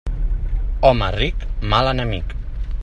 Home ric, mal enemic.